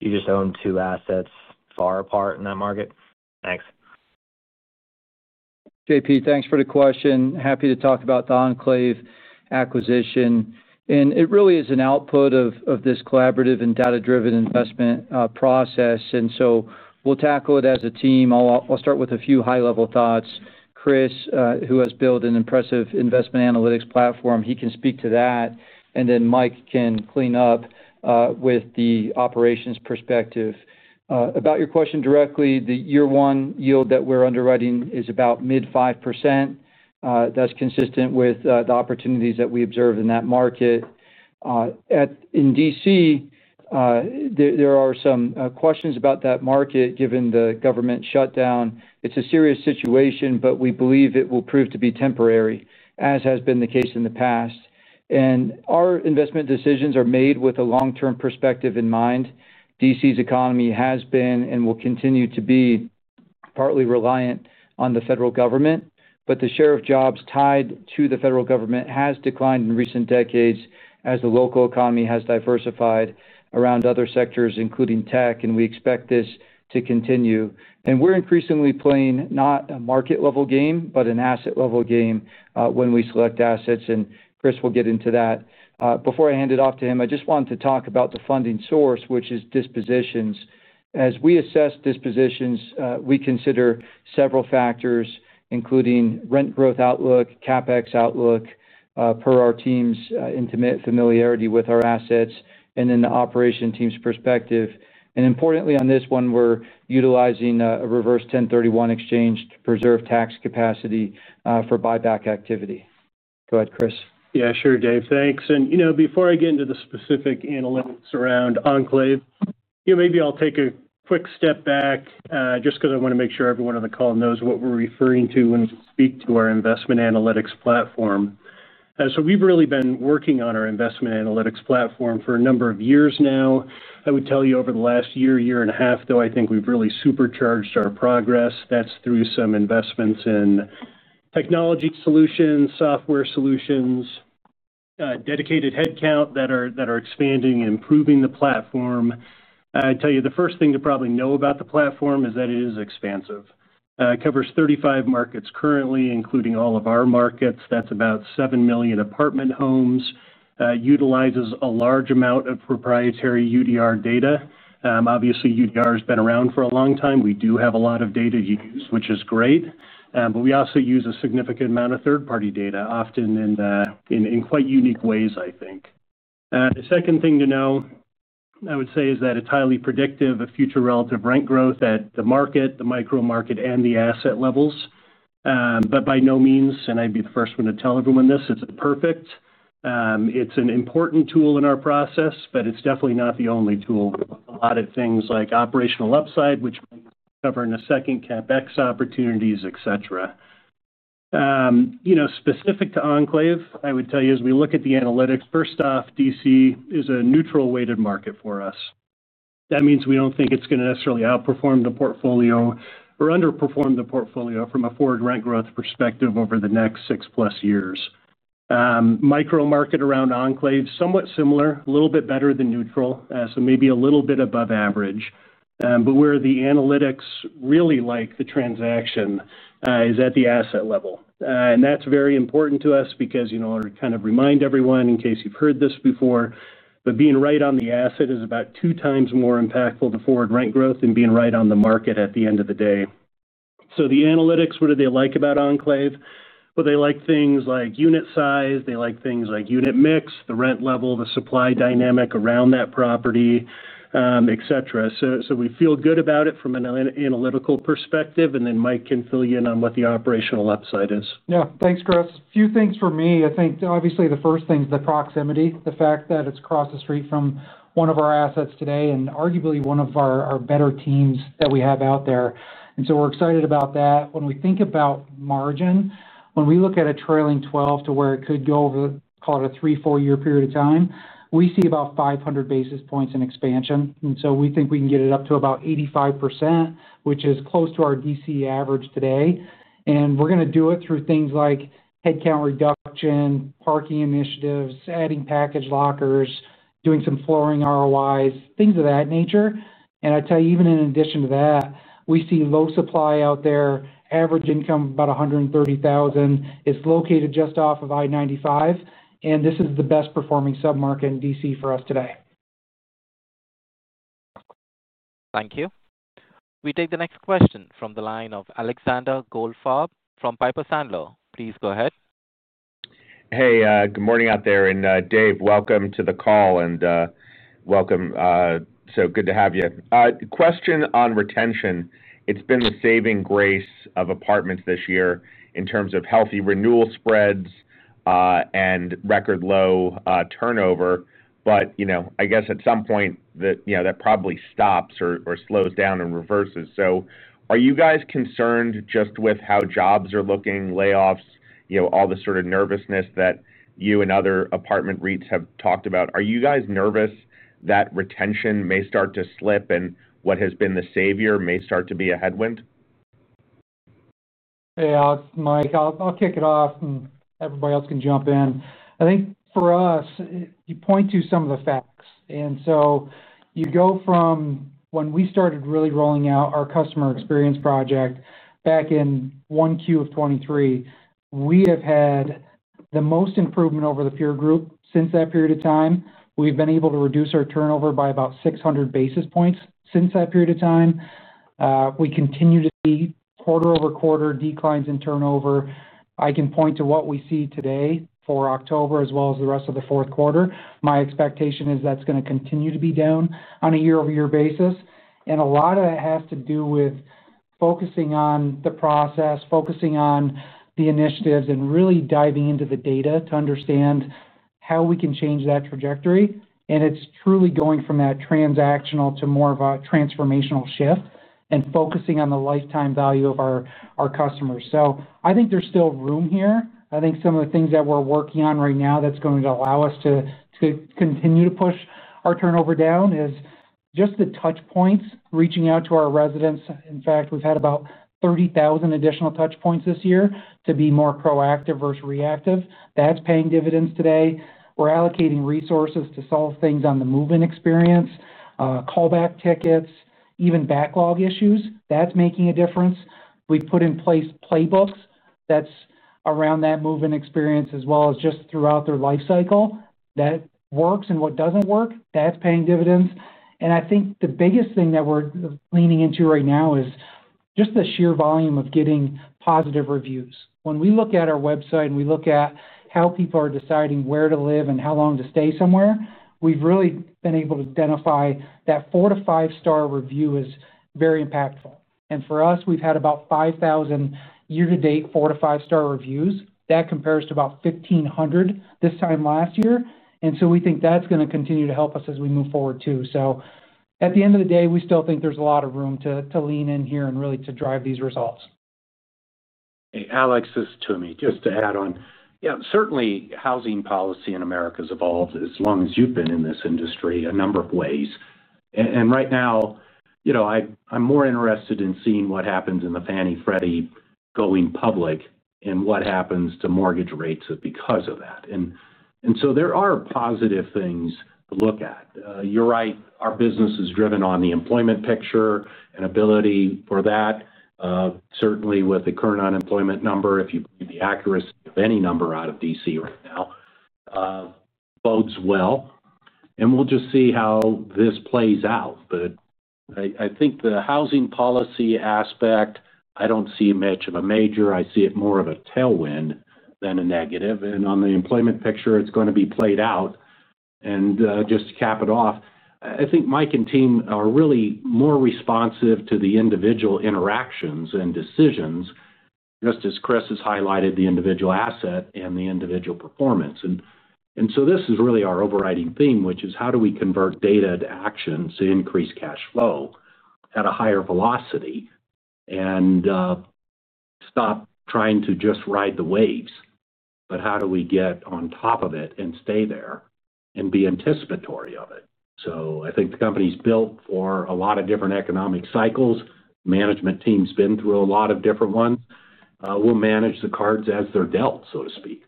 you just own two assets far apart in that market? Thanks. JP, thanks for the question. Happy to talk about the Enclave acquisition and it really is an output of this collaborative and data-driven investment process, so we'll tackle it as a team. I'll start with a few high-level thoughts. Chris, who has built an impressive investment analytics platform, can speak to that, and then Mike can clean up with the operations perspective. About your question directly, the year one yield that we're underwriting is about mid 5%. That's consistent with the opportunities that we observe in that market. In D.C., there are some questions about that market given the government shutdown. It's a serious situation, but we believe it will prove to be temporary as has been the case in the past. Our investment decisions are made with a long-term perspective in mind. D.C.'s economy has been and will continue to be partly reliant on the federal government. The share of jobs tied to the federal government has declined in recent decades as the local economy has diversified around other sectors, including tech. We expect this to continue. We're increasingly playing not a market-level game, but an asset-level game when we select assets, and Chris will get into that. Before I hand it off to him, I just wanted to talk about the funding source, which is dispositions. As we assess dispositions, we consider several factors including rent growth outlook, CapEx outlook, per our team's intimate familiarity with our assets, and then the operations team's perspective. Importantly, on this one, we're utilizing a reverse 1031 exchange to preserve tax capacity for buyback activity. Go ahead, Chris. Yeah, sure Dave, thanks. Before I get into the specific analytics around Enclave, maybe I'll take a quick step back just because I want to make sure everyone on the call knows what we're referring to when we speak to our investment analytics platform. We've really been working on our investment analytics platform for a number of years now. I would tell you over the last year, year and a half though, I think we've really supercharged our progress. That's through some investments in technology solutions, software solutions, dedicated headcount that are expanding, improving the platform. The first thing to probably know about the platform is that it is expansive. It covers 35 markets currently, including all of our markets. That's about 7 million apartment homes, utilizes a large amount of proprietary UDR data. Obviously UDR has been around for a long time. We do have a lot of data use, which is great, but we also use a significant amount of third party data, often in quite unique ways. The second thing to know, I would say is that it's highly predictive of future relative rent growth at the market, the micro market, and the asset levels. By no means, and I'd be the first one to tell everyone this, is it perfect. It's an important tool in our process, but it's definitely not the only tool. A lot of things like operational upside, which covering a second CapEx, opportunities, et cetera, you know, specific to Enclave. I would tell you as we look at the analytics, first off, D.C. is a neutral weighted market for us. That means we don't think it's going to necessarily outperform the portfolio or underperform the portfolio from a forward rent growth perspective over the next 6+ years. Micro market around Enclave is somewhat similar, a little bit better than neutral, so maybe a little bit above average, but where the analytics really like the transaction is at the asset level. That's very important to us because, kind of remind everyone in case you've heard this before, being right on the asset is about 2x more impactful to forward rent growth than being right on the market at the end of the day. The analytics, what do they like about Enclave? They like things like unit size, they like things like unit mix, the rent level, the supply dynamic around that property, et cetera. We feel good about it from an analytical perspective. Mike can fill you in on what the operational upside is. Yeah, thanks, Chris. Few things for me. I think obviously the first thing is the proximity, the fact that it's across the street from one of our assets today and arguably one of our better teams that we have out there. We're excited about that. When we think about margin, when we look at a trailing 12 to where it could go over, call it a three, four year period of time, we see about 500 basis points in expansion. We think we can get it up to about 85%, which is close to our D.C. average today. We're going to do it through things like headcount reduction, parking initiatives, adding package lockers, doing some flooring, ROIs, things of that nature. I tell you, even in addition to that, we see low supply out there. Average income about $130,000. It's located just off of I-95 and this is the best performing submarket in D.C. for us today. Thank you. We take the next question from the line of Alexander Goldfarb from Piper Sandler. Please go ahead. Hey, good morning out there. Dave, welcome to the call. Welcome. So good to have you. Question on retention. It's been the saving grace of apartments this year in terms of healthy renewal spreads and record low turnover. I guess at some point that probably stops or slows down and reverses. Are you guys concerned just with how jobs are looking, layoffs, all the sort of nervousness that you and other apartment REITs have talked about? Are you guys nervous that retention may start to slip and what has been the savior may start to be a headwind? Hey Alex, Mike, I'll kick it off and everybody else can jump in. I think for us you point to some of the facts and you go from when we started really rolling out our customer experience project back in 1Q 2023, we have had the most improvement over the peer group. Since that period of time, we've been able to reduce our turnover by about 600 basis points. Since that period of time, we continue to see quarter over quarter declines in turnover. I can point to what we see today for October as well as the rest of the fourth quarter. My expectation is that's going to continue to be down on a year-over-year basis. A lot of that has to do with focusing on the process, focusing on the initiatives and really diving into the data to understand how we can change that trajectory. It's truly going from that transactional to more of a transformational shift and focusing on the lifetime value of our customers. I think there's still room here. I think some of the things that we're working on right now that's going to allow us to continue to push our turnover down is just the touch points reaching out to our residents. In fact, we've had about 30,000 additional touch points this year to be more proactive versus reactive. That's paying dividends. Today we're allocating resources to solve things on the move-in experience, callback, tickets, even backlog issues. That's making a difference. We put in place playbooks that's around that move-in experience as well as just throughout their life cycle. That works. What doesn't work, that's paying dividends. I think the biggest thing that we're leaning into right now is just the sheer volume of getting positive reviews. When we look at our website and we look at how people are deciding where to live and how long to stay somewhere, we've really been able to identify that four to five star review is very impactful. For us, we've had about 5,000 year to date, four to five star reviews. That compares to about 1,500 this time last year. We think that's going to continue to help us as we move forward too. At the end of the day, we still think there's a lot of room to lean in here and really to drive these results. Alex, this is Toomey just to add on. Yeah, certainly housing policy in America has evolved as long as you've been in this industry in a number of ways. Right now, I'm more interested in seeing what happens in the Fannie Freddie going public and what happens to mortgage rates because of that. There are positive things to look at. You're right. Our business is driven on the employment picture and ability for that. Certainly with the current unemployment number, if you believe the accuracy of any number out of D.C. right now, it bodes well and we'll just see how this plays out. I think the housing policy aspect, I don't see much of a major. I see it more of a tailwind than a negative. On the employment picture, it's going to be played out. Just to cap it off, I think Mike and team are really more responsive to the individual interaction and decisions, just as Chris has highlighted the individual asset and the individual performance. This is really our overriding theme, which is how do we convert data to actions to increase cash flow at a higher velocity and stop trying to just ride the waves. How do we get on top of it and stay there and be anticipatory of it. I think the company's built for a lot of different economic cycles. Management team's been through a lot of different ones. We'll manage the cards as they're dealt, so to speak.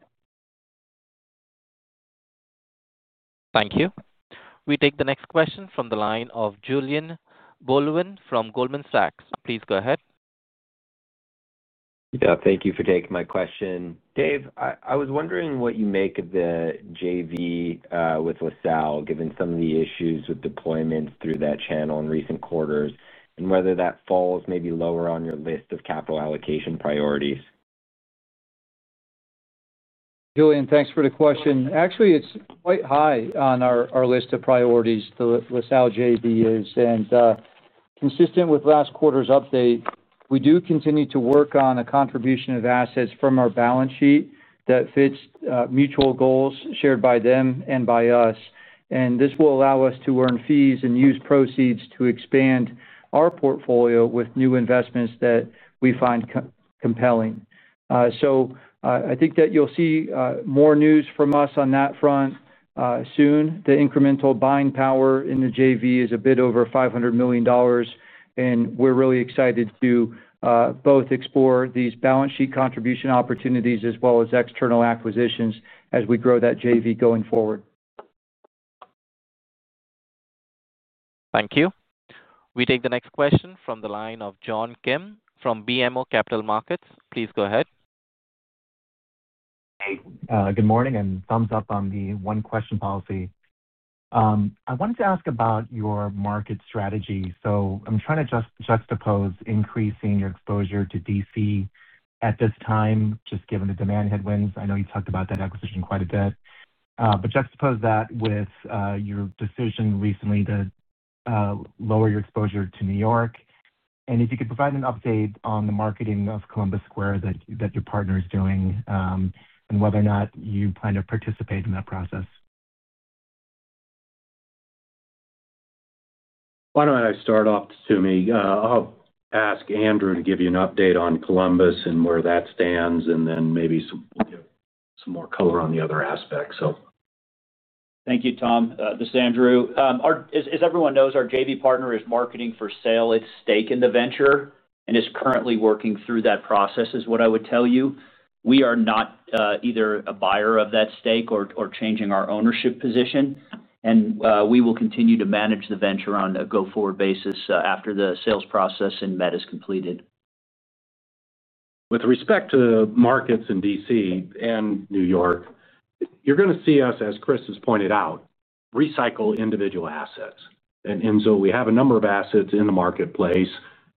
Thank you. We take the next question from the line of Julien Blouin from Goldman Sachs. Please go ahead. Thank you for taking my question. Dave, I was wondering what you make. Of the JV with LaSalle, given some. Of the issues with deployments through that channel in recent quarters, and whether that falls maybe lower on your list of capital allocation priorities. Julien, thanks for the question. Actually, it's quite high on our list of priorities, the LaSalle JV is, and consistent with last quarter's update, we do continue to work on a contribution of assets from our balance sheet that fits mutual goals shared by them and by us. This will allow us to earn fees and use proceeds to expand our portfolio with new investments that we find compelling. I think that you'll see more news from us on that front soon. The incremental buying power in the JV is a bit over $500 million, and we're really excited to both explore these balance sheet contribution opportunities as well as external acquisitions as we grow that JV going forward. Thank you. We take the next question from the line of John Kim from BMO Capital Markets. Please go ahead. Good morning and thumbs up on the one question policy. I wanted to ask about your market strategy. I'm trying to juxtapose increasing your exposure to D.C. at this time, just given the demand headwinds. I know you talked about that acquisition quite a bit, but juxtapose that with your decision recently to lower your exposure to New York, and if you could provide an update on the marketing of Columbus Square that your partner is doing and whether or not you plan to participate in that process. Why don't I start off, let me ask Andrew to give you an update on Columbus and where that stands, and then maybe some more color on the other aspects. Thank you. Tom, this is Andrew. As everyone knows, our JV partner is marketing for sale its stake in the venture and is currently working through that process is what I would tell you. We are not either a buyer of that stake or changing our ownership position. We will continue to manage the venture on a go-forward basis after the sales process in Met is completed. With respect to markets in D.C. and New York, you're going to see us, as Chris has pointed out, recycle individual assets, and so we have a number of assets in the marketplace.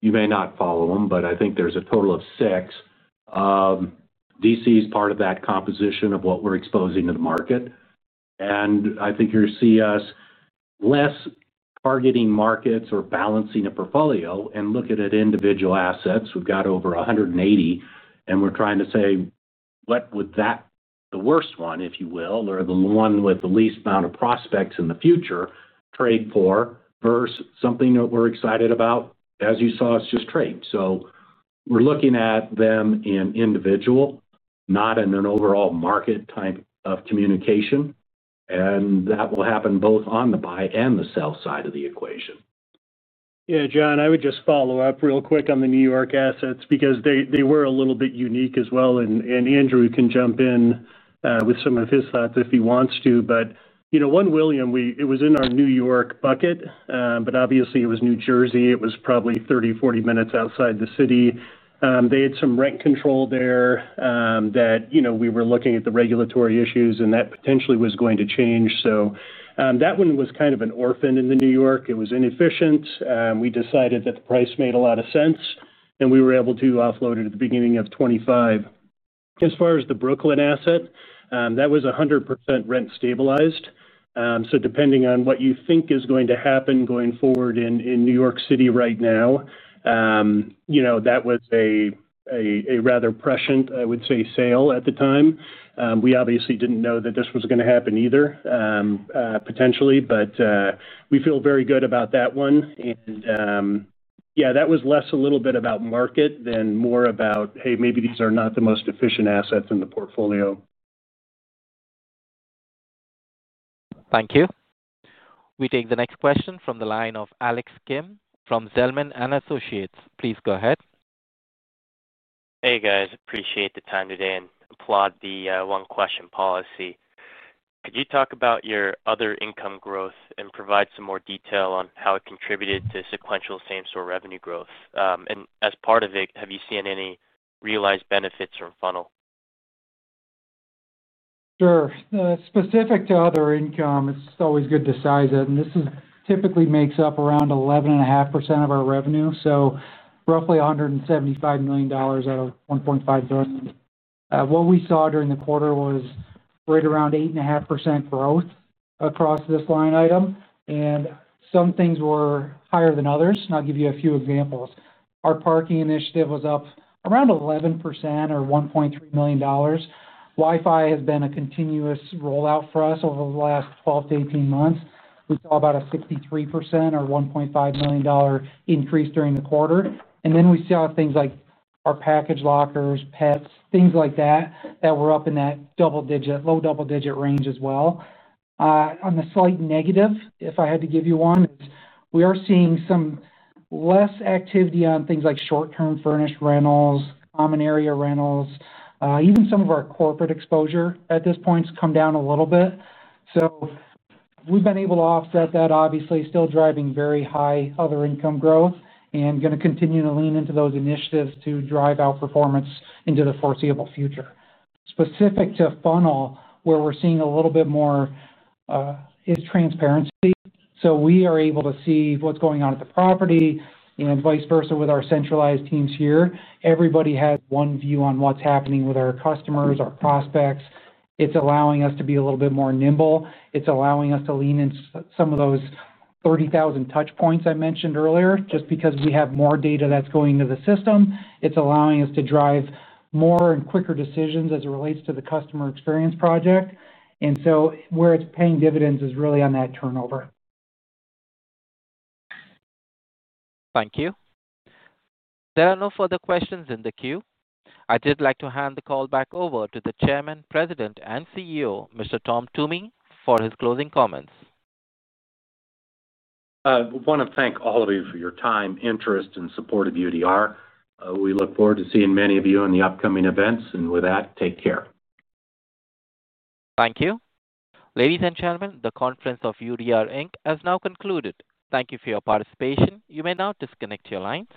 You may not follow them, but I think there's a total of six. D.C. is part of that composition of what we're exposing to the market. I think you'll see us less targeting markets or balancing a portfolio and look at individual assets. We've got over 180, and we're trying to say what would the worst one, if you will, or the one with the least amount of prospects in the future trade for versus something that we're excited about. As you saw, it's just trade. We're looking at them individually, not in an overall market type of communication. That will happen both on the buy and the sell side of the equation. Yeah, John, I would just follow up real quick on the New York assets because they were a little bit unique as well. Andrew can jump in with some of his thoughts if he wants to. One William, it was in our New York bucket, but obviously it was New Jersey. It was probably 30 minute-40 minutes outside the city. They had some rent control there that we were looking at, the regulatory issues, and that potentially was going to change. That one was kind of an orphan in the New York. It was inefficient. We decided that the price made a lot of sense, and we were able to offload it at the beginning of 2025. As far as the Brooklyn asset, that was 100% rent stabilized. Depending on what you think is going to happen going forward in New York City right now, that was a rather prescient, I would say, sale at the time. We obviously didn't know that this was going to happen either potentially, but we feel very good about that one. That was less a little bit about market than more about, hey, maybe these are not the most efficient assets in the portfolio. Thank you. We take the next question from the line of Alex Kim from Zelman & Associates. Please go ahead. Hey guys, appreciate the time today. Applaud the one question policy. Could you talk about your other income growth and provide some more detail on how it contributed to sequential same-store revenue growth? As part of it, have you seen any realized benefits from Funnel? Sure. Specific to other income, it's always good to size it. This typically makes up around 11.5% of our revenue, so roughly $175 million out of $1.5 billion. What we saw during the quarter was right around 8.5% growth across this line item, and some things were higher than others. I'll give you a few examples. Our parking initiative was up around 11% or $1.3 million. Wi-Fi has been a continuous rollout for us over the last 12 months-18 months. We saw about a 63% or $1.5 million increase during the quarter. We saw things like our package lockers, pets, things like that, that were up in that low double-digit range as well. On the slight negative, if I had to give you one, is we are seeing some less activity on things like short-term furnished rentals and common area rentals. Even some of our corporate exposure at this point has come down a little bit. We've been able to offset that, obviously still driving very high other income growth and going to continue to lean into those initiatives to drive outperformance into the foreseeable future. Specific to Funnel, where we're seeing a little bit more is transparency. We are able to see what's going on at the property and vice versa with our centralized teams here. Everybody has one view on what's happening with our customers and our prospects. It's allowing us to be a little bit more nimble. It's allowing us to lean in some of those 30,000 touch points I mentioned earlier. Just because we have more data that's going to the system, it's allowing us to drive more and quicker decisions as it relates to the customer experience project. Where it's paying dividends is really on that turnover. Thank you. There are no further questions in the queue. I'd just like to hand the call back over to the Chairman, President and CEO, Mr. Tom Toomey, for his closing comments. I want to thank all of you for your time, interest, and support of UDR. We look forward to seeing many of you in the upcoming events. Take care. Thank you. Ladies and gentlemen, the conference of UDR, Inc. has now concluded. Thank you for your participation. You may now disconnect your lines.